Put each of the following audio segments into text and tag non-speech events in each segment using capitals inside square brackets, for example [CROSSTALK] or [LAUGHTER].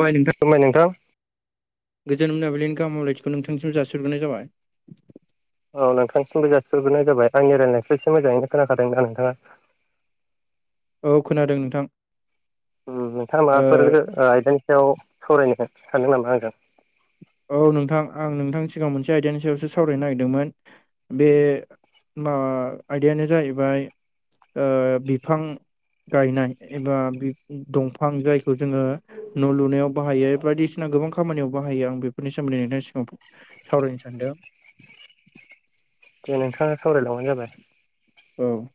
High नोंथां गोजोन मोनाबिलिनि गाहामलायथिखौ नोंथांनिसिम जासिग्रोनाय जाबाय औ नोंथांसिमबो जासि्रोनाय जाबाय आंनि रायजनायखौ एसे मोजाङै खोनाखादों ना नोंथाङा? औ खोनादों नोंथां। नोंथाङा ओ माबाफोर आयदानि सायाव सावरायनो सानदों नामा आंजों? औ नोंथां आं नोंथांनि सिगांाव मोनसे आयदानि सायावसो सावरायनो नागिरदोंमोन। बे माबा आयदायानो जाहैबाय बिफां गायनाय एबा दंफां जायखौ जोङो न' लुनायाव बाहायो बायदिसिना गोबां खामानियाव बाहायो आं बे बेनि सोमोन्दै नोंथांनि सिगाङाव सावरायनो सानदों। दे नोंथाङा सावरायलबानो जाबाय औ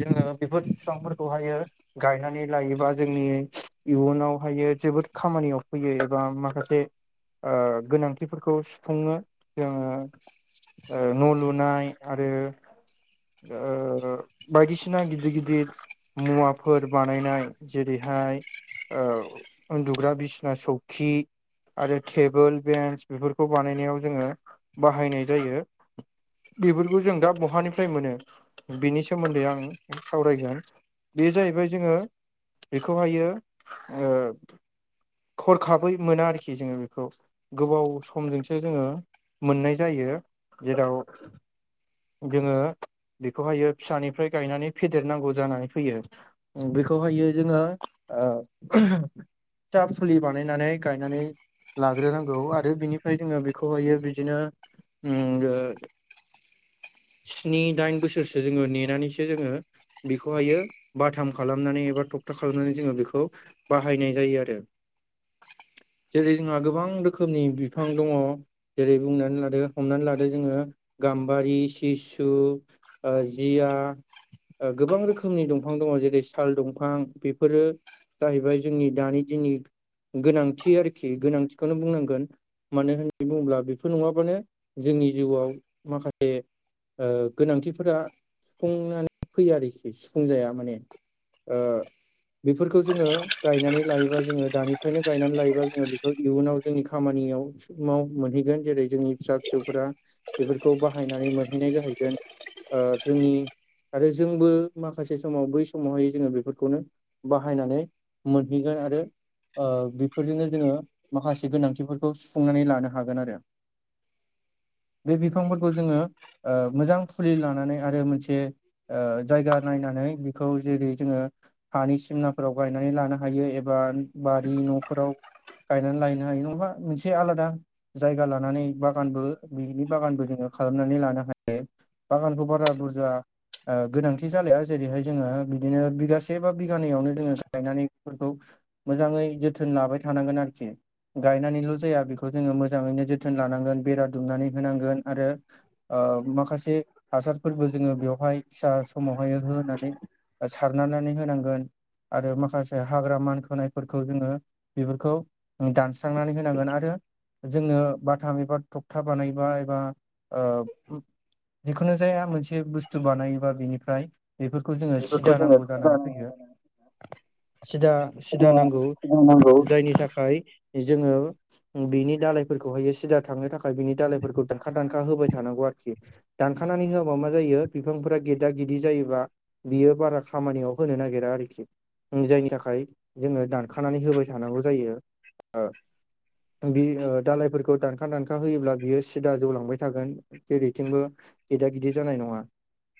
जोङो बेफोर बिफांफोरखौहायो गायनानै लायोबा जोंनि इयुनावहायो जोबोद खामानियाव फैयो एबा माखासे गोनांथिफोरखौ सुफुंनो जोङो। न' लुनाय आरो। बायदिसिना गिदिर गिदिर मुवाफोर बानायनाय जेरैहाय उन्दुग्रा बिसिना सौखि आरो टेबोल बेन्स बेफोरखौ बानायनायाव जोङो बाहायनाय जायो। बेफोरखौ जों दा बहानि फिथाय मोनो बिनि सोमोन्दै आं सावरायगोन बे जाहैबाय जोङो बेखौहायो खरखाबै मोना आरोखि जोङो बेखौ गोबाव समजोंसो जोङो मोननाय जायो जेराव जोङो बेखौहायो फिसानिफ्राय गायनानै फेदेरनांगौ जानानै फैयो। बेखौहायो जोङो फिथा फुलि बानायनानै गायनानै लाग्रोनांगौ आरो बिनिफ्राय जोङो बेखौहायो बिदिनो स्नि दाइन बोसोरसो जोङो नेनानैसो जोङो बेखौहायो बाथाम खालामनानै एबा थगथा खालामनानै जोङो बेखौ बाहायनाय जायो आरो। जेरै जोंहा गोबां रोखोमनि बिफां दङ। जेरै बुंनानै लादो हमनानै लादो जोङो गाम्बारि सिशु जिया गोबां रोखोमनि दंफां दङ जेरै साल दंफां बेफोरो जाहैबाय जोंनि दानि दिननि गोनांथि आरोखि गोनांथिखौनो बुंनांगोन। मानो होननानै बुङोब्ला बेफोर नङाबानो जोंनि जिउआव माखासे गोनांथिफोरा सुफुंनानै फैयो आरोखि सुफुंजाया माने ओ बेफोरखौ जोङो गायनानै लायोबा जोङो दानिफ्रायनो गायनानै लायोबा जोङो बेखौ इयुनाव जोंनि खामानियाव समाव मोनहैगोन जेरै जोंनि फिसा फिसौफोरा बेफोरखौ बाहायनानै मोनहैनाय जाहैगोन। ओ जोंनि आरो जोंबो माखासे समाव बै समावहाय जोङो बेफोरखौनो बाहायनानै मोनहैगोन आरो ओ बेफोरजोंनो जोङो माखासे गोनांथिफोरखौ सुफुंनानै लानो हागोन आरो। बे बिफांफोरखौ जोङो मोजां फुलि लानानै आरो मोनसे ओ जायगा नायनानै बेखौ जेरै जोङो हानि सिमनाफोराव गायनानै लानो हायो एबा बारि न'फोराव गायनानै लायनो हायो नङाबा मोनसे आलादा जायगा लानानै बागानबो बिनि बागानबो जोङो खालामनानै लानो बागानखौ बारा बुरजा ओ गोनांथि जालाया जेरैहाय जोङो बिदिनो बिगासे बा बिगानैयावनो जोङो गायनानै बेफोरखौ मोजाङै जोथोन लाबाय थानांगोन आरोखि गायनानैल' जाया बेखौ जोङो मोजाङैनो जोथोन लानांगोन बेरा दुमनानै होनांगोन आरो ओ माखासे हासारफोरबो जोङो बेवहाय फिसा समावहाय होनानै सारनानै होनांगोन आरो माखासे हाग्रा मानखोनायफोरखौ जोङो बेफोरखौ दानस्रांनानै होनांगोन आरो जोंनो बाथाम एबा थखथा बानायबा एबा ओ जिखुनु जाया मोनसे बुस्थु बानायोबा बेनिफ्राय बेफोरखौ जोङो बेफोरखौ सिदा जोङो नांगौ जानानै फैयो सिदा सिदा नांगौ नांगौ जायनि थाखाय जोङो बिनि दालायफोरखौहायो सिदा थांनो थाखाय बिनि दालायफोरखौ दानखा दानखा होबाय थानांगौ आरो। आरोखि दानखानानै होआबा मा जायो बिफांफोरा गेदा गेदि जायोबा बियो बारा खामानियाव होनो नागिरा आरोखि जायनि थाखाय जोङो दानखानानै होबाय थानांगौ जायो। बि दालायफोरखौ दानखा दानखा होयोब्ला बियो सिदा जौलांबाय थागोन। जेरैथिंबो गिदा गिदि जानाय नङा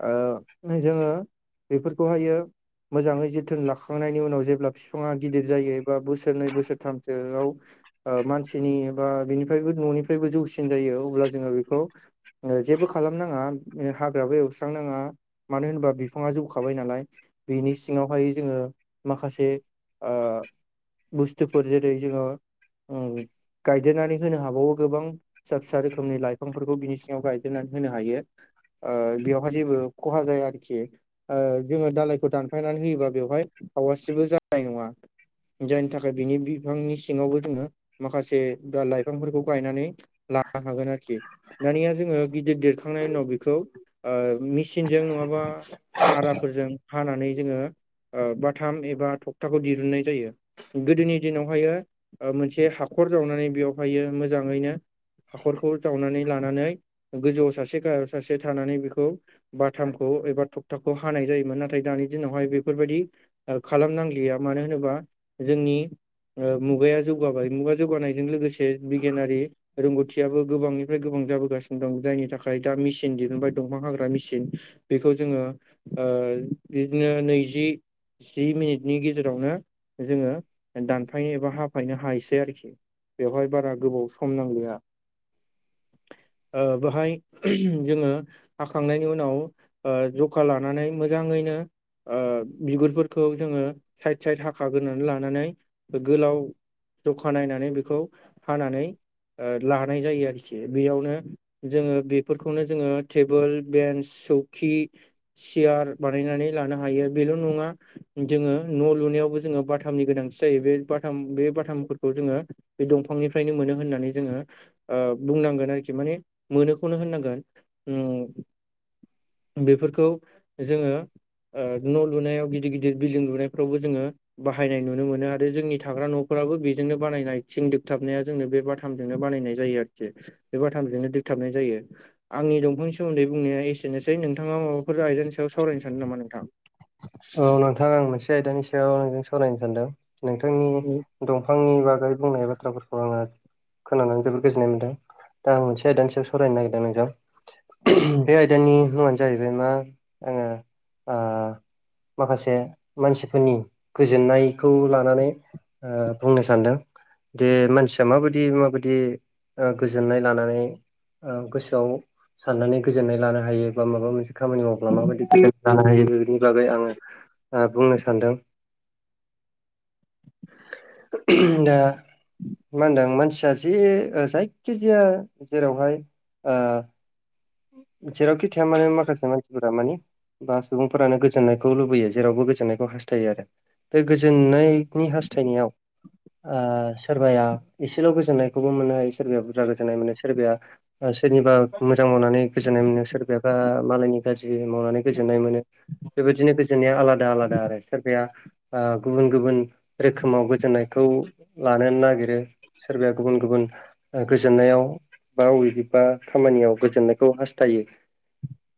ओ जोङो बेफोरखौहायो मोजाङै जोथोन लाखांनायनि उनाव जेब्ला बिफाङा गिदिर जायो एबा बोसोरनै बोसोरथामसोआव ओ मानसिनि बा बिनिफ्रायबो न'निफ्रायबो जौसिन जायो अब्ला जोङो बेखौ जेबो खालामनाङा हाग्राबो एवस्रांनाङा मानो होनोबा बिफाङा जौखाबाय नालाय बिनि सिङावहाय जोङो माखासे ओ बुस्थुफोर जेरै जोङो ओ गायदेरनानै होनो हाबावो गोबां फिसा फिसा रोखोमनि लाइफांफोरखौ बिनि सि ङाव गायदेरनानै होनो हायो बेवहाय जेबो खहा जाया आरोखि ओ जोङो दालायखौ दानफायनानै होयोबा बेवहाय हावासिबो जानाय नङा। जायनि थाखाय बिनि बिफांनि सिङावबो जोङो माखासे बा लाइफांफोरखौ गायनानै लानो हागोन आरोखि दानिया जोङो गिदिर देरखांनायनि उनाव बेखौ ओ मेसिनजों नङाबा आराफोरजों हानानै जोङो ओ बाथाम एबा थखथाखौ दिरुननाय जायो गोदोनि दिनावहायो मोनसे हाखर जावनानै बेयावहायो मोजाङैनो हाखरखौ जावनानै लानानै गोजौआव सासे गाहायाव सासे थानानै बेखौ बाथामखौ एबा थखथाखौ हानाय जायोमोन नाथाय दानि दिनावहाय बेफोरबायदि खालामनांलिया मानो होनोबा जोंनि मुगाया जौगाबाय मुगा जौगानायजों लोगोसे बिगियानारि रोंगौथियाबो गोबांनिफ्राय गोबां जाबोगासिनो दं जायनि थाखाय दा मेसिन दिहुनबाय दंफां हाग्रा मेसिन बेखौ जोङो ओ बिदिनो नैजि जि मिनिटनि गेजेरावनो जोङो दानफायनो एबा हाफायनो हायोसै आरोखि बेवहाय बारा गोबाव सम नांलिया ओ बेहाय जोङो हाखांनायनि उनाव ओ जखा लानानै मोजाङैनो ओ बिगुरफोरखौ जोङो साइद साइद हाखाग्रोनानै लानानै गोलाव जखा नायनानै बेखौ हानानै ओ लानाय जायो आरोखि बेयावनो जोङो बेफोरखौनो जोङो टेबोल बेन्स सौकि सियार बानायनानै लानो हायो बेल' नङा जोङो न' लुनायावबो जोङो बाथामनि गोनांथि जायो बे बाथाम बे बाथामफोरखौ जोङो बे दंफांनिफ्रायनो मोनो होननानै जोङो ओ बुंनांगोन आरोखि माने मोनोखौनो होननांगोन ओम बेफोरखौ जोङो ओ न' लुनायाव गिदिर गिदिर बिल्डिं लुनायफ्रावबो जोङो बाहायनाय नुनो मोनो आरो जोंनि थाग्रा न'फोराबो बेजोंनो बानायनाय थिं दोबथाबनाया जोंनो बे बाथ बाथामजोंनो बानायनाय जायो आरोखि बे बाथामजोंनो थाबनाय जायो आंनि दंफांनि सोमोन्दै बुंनाया एसेनोसै नोंथाङा माबा ह आयजानि सायाव सावरायनो सानदों नामा नोंथां औ नोंथां आं मोनसे आयदानि सायाव नोंजों सावरायनो सानदों नोंथांनि दंफांनि बागै बुंनाय बाथ्राफोरखौ आङो खोनानानै जोबोद गोजोननाय मोन्दों दा आं मोनसे आयदानि सायाव सावरायनो नागिरदों नोंजों बे आयदानि मुङानो जाहैबाय मा आङो ओ माखासे मानसिफोरनि गोजोननायखौ लानानै ओ बुंनो सानदों दे मानसिया माबायदि माबायदि गोजोननाय लानानै ओ गोसोआव साननानै गोजोननाय लानो हायो बा माबा मोनसे खामानि मावब्ला माबायदि गोजोन लानो हायो बिनि बागै आङो बुंनो सानदों [INAUDIBLE] दा मा होनदों मानसिया जे जायखिजाया जेरावहाय ओ जेरावखि थाया माने माखासे मानसिफोरा मानि बा सुबुंफोरानो गोजोननायखौ लुबैयो जेरावबो गोजोननायखौ हास्थायो आरो बे गोजोननायनि हास्थायनायाव ओ सोरबाया एसेल' गोजोननायखौबो मोनो सोरबाया बुरजा गोजोननाय मोनो सोरबाया सोरनिबा मोजां मावनानै गोजोननाय मोनो सोरबाबा मालायनि गाज्रि मावनानै गोजोननाय मोनो बेबायदिनो गोजोननाया आलादा आलादा आरो सोरबाया ओ गुबुन गुबुन रोखोमाव गोजोननायखौ लानो नागिरो सोरबाया गुबुन गुबुन गोजोननायाव बा अबेबबा खामानियाव गोजोननाय खौखौ हास्थायो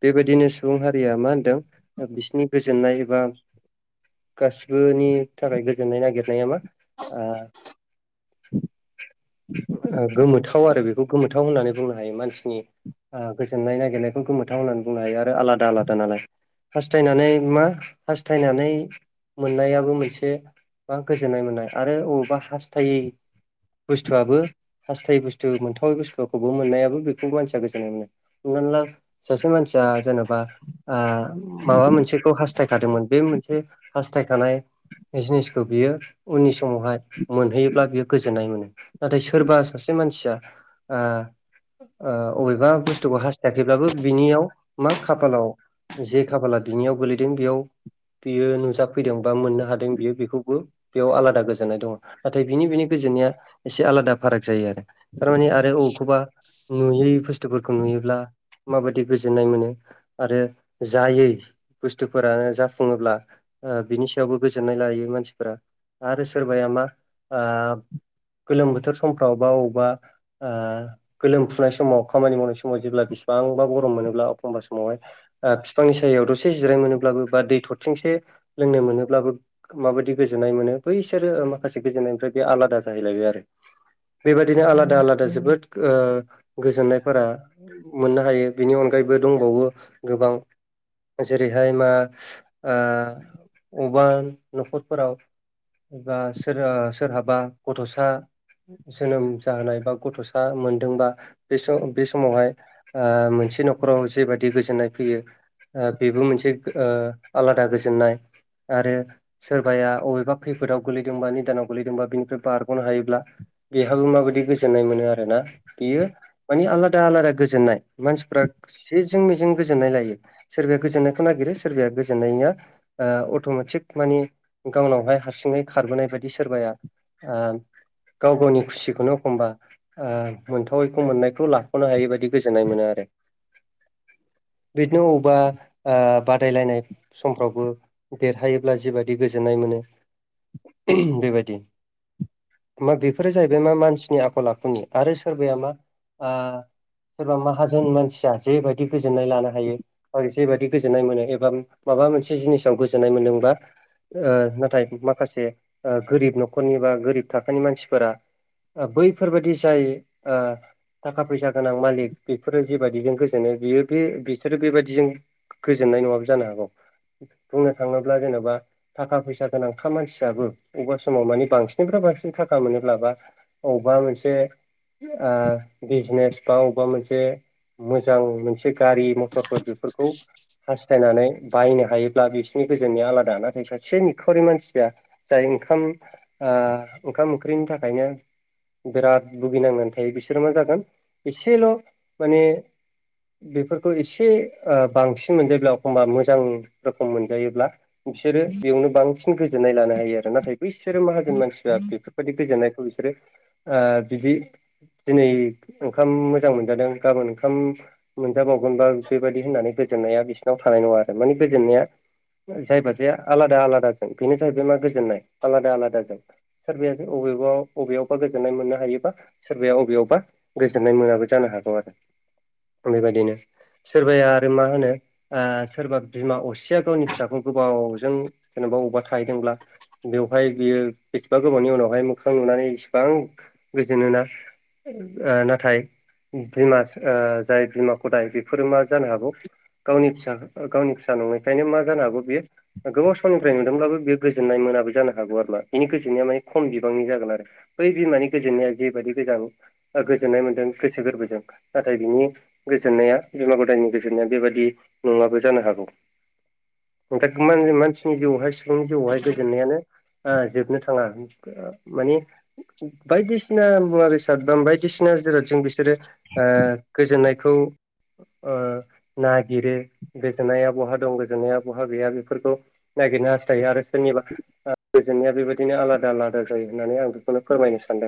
बेबायदिनो सुबुं हारिया मा होनदों बिसिरनि गोजोननाय एबा गासिबोनि थाखाय गोजोननाय नागिरनाया मा ओ ओ गोमोथाव आरो बेखौ गोमोथाव होननानै बुंनो हायो मानसिनि ओ गोजोननाय नागिरनायखौ गोमोथाव होननानै बुंनो हायो आरो आलादा आलादा नालाय। हास्थायनानै मा हास्थायनानै मोननायाबो मोनसे बा गोजोननाय मोननाय आरो बबावबा हास्थायै बुस्थुआबो हास्थाय बुस्थु मोनथावै बुस्थुखौबो मोननायाबो बेखौ मानसिया गोजोननाय मोनो। [UNINTELLIGIBLE] सासे मानसिया जेनेबा ओ माबा मोनसेखौ हास्थायखादोंमोन बे मोनसे हास्थायखानाय जिनिसखौ बियो उननि समावहाय मोनहैयोब्ला बियो गोजोननाय मोनो नाथाय सोरबा सासे मानसिया ओ अबेबा बुस्थु बुस्थुखौ हास्थायाखैब्लाबो बिनियाव मा खाफालाव जे खाफाला बिनियाव गोलैदों बेयाव बियो नुजाफैदों बा मोननो हादों बियो बेखौबो बेयाव आलादा गोजोननाय दङ नाथाय बिनि बेनि गोजोननाया एसे आलादा फाराग जायो आरो थारमान आरो बबेखौबा नुयै बुस्थु खौ नुयोब्ला माबायदि गोजोननाय मोनो आरो जायै बुस्थुफोरानो जाफुङोब्ला ओ बिनि सायावबो गोजोननाय लायो मानसिफोरा आरो सोरबाया मा ओ गोलोम बोथोर समफ्राव बा अबावबा ओ गोलोम फुनाय समाव खामानि मावनाय स समाव जेब्ला बिसिबांबा गरम मोनोब्ला एखमबा समावहाय ओ बिफांनि सायाव दसे जिराय मोनोब्लाबो बा दै थरथिंसे लोंनो मोनोब्लाबो माबायदि गोजोननाय मोनो बैसोरो माखासे गोजोननायनिफ्राय बे आलादा जाहैलायबाय आरो। बेबायदिनो आलादा आलादा जोबोद ओ गोजोननायफोरा मोननो हायो बिनि अनगायैबो दंबावो गोबां जेरैहाय मा ओ अबा न'खरफोराव एबा सोर ओ सोरहाबा गथ'सा जोनोम जाहोनाय बा गथ'सा मोनदोंबा बे सम बे समावहाय ओ मोनसे न'खराव जेबादि गोजोननाय फैयो ओ बेबो मोनसे आलादा गोजोननाय आरो सोरबाया अबेबा खैफोदाव गोलैदोंबा निदानाव गोलैदोंबा बिनिफ्राय बारग'नो हायोब्ला बेहाबो माबायदि गोजोननाय मोनो आरो ना बेयो मानि आलादा आलादा गोजोननाय मानसिफ्रा जेजों मेजों गोजोननाय लायो सोरबाया गोजोननायखौ नागिरो सोरबाया गोजोननाया ओ अट'मेटिक माने गावनावहाय हारसिङै खारबोनाय बायदि सोरबाया ओ गाव गावनि खुसिखौनो एखमबा ओ मोनथावैखौ मोननायखौ लाख'नो हायि बादि गोजोननाय मोनो आरो। बिदिनो अबा ओ बादायलायनाय समफ्रावबो देरहायोब्ला जिबायदि गोजोननाय मोनो बेबायदि मा बेफोरो जाहैबाय मा मानसिनि आखल आखुनि आरो सोरबाया मा ओ सोरबा माहाजोन मानसिया जे बायदि गोजोननाय लानो हायो [UNINTELLIGIBLE] जेबादि गोजोननाय मोनो एबा माबा मोनसे जिनिसाव गोजोननाय मोनदोंबा ओ नाथाय माखासे गोरिब न'खरनि बा गोरिब थाखोनि मानसिफोरा बैफोरबायदि जाय ओ थाखा फैसा गोनां मालिक बेफोरो जेबायदिजों गोजो नो बियो बे बिसोरो बेबायदिजों गोजोननाय नङाबो जानो हागौ। बुंनो थाङोब्ला जेनेबा थाखा फैसा गोनांखा मानसियाबो अबेबा समाव माने बांसिननिफ्राय बांसिन थाखा मोनोब्ला बा अबेबा मोनसे बिजनेस बा अबेबा मोनसे मोजां मोनसे गारि मथरफोर बेफोरखौ हास्थायनानै बायनो हायोब्ला बिसोरनि गोजोननाया आलादा नाथाय सासे निखावरि मानसिया जाय ओंखाम ओ ओंखाम ओंख्रिनि थाखायनो बिराद भुगिनांनानै थायो बिसोरो मा जागोन एसेल' माने बेफोरखौ एसे ओ बांसिन मोनजायोब्ला एखमबा मोजां रोखोम मोनजायोब्ला बिसोरो बेयावनो बांसिन गोजोननाय लानो हायो आरो नाथाय बैसोरो माहाजोन मानसिफ्रा बेफोर बेबायदि गोजोननायखौ बिसोरो ओ बिदि दिनै ओंखाम मोजां मोनजादों गाबोन ओंखाम मोनजाबावगोनबा बेफोरबायदि होननानै गोजोननाया बिसिनाव थानाय नङा आरो माने गोजोननाया जायबा जाया आलादा आलादाजों बेनो जाहैबाय मा गोजोननाय आलादा आलादाजों सोरबाया अबेबा अबेयावबा गोजोननाय मोननो हायोबा सोरबाया अबेयावबा गोजोननाय मोनाबो जानो हागौ आरो बेबायदिनो सोरबाया आरो मा होनो ओ सोरबा बिमा असेया गावनि फिसाखौ गोबावजों जेनेबा बबावबा थाहैदोंब्ला बेवहाय बियो बेसेबा गोबावनि उनावहाय मोखां नुनानै इसिबां गोजोनोना ओ नाथाय बिमा ओ जाय बिमा गदाय बेफोरो मा जानो हागौ गावनि फिसा गावनि फिसा नंयैखायनो मा जानो हागौ बेयो गोबाव समनिफ्राय नुदोंब्लाबो बेयो गोजोननाय मोनाबो जानो हागौ आरो ना बेनि गोजोननाया माने खम बिबांनि जागोन आरो। बै बिमानि गोजोननाया जेबायदि गोजां गोजोननाय मोनदों गोसो गोरबोजों नाथाय बिनि गोजोननाया बिमा गदायनि गोजोननाया बेबायदि नङाबो जानो हागौ। [UNINTELLIGIBLE] मानसिनि जिउआवहाय सिगांनि जिउआवहाय गोजोननायानो ओ जोबनो थाङा मानि बायदिसिना मुवा बेसाद [UNINTELLIGIBLE] दिसिना जिरादजों बिसोरो ओ गोजोननायखौ ओ नागिरो। गोजोननाया बहा दं गोजोननाया बहा गैया बेफोरखौ नागिरनो हास्थायो आरो सोरनिबा गोजोननाया बेबायदिनो आलादा आलादा जायो होननानै आं बेखौनो फोरमायनो सानदों।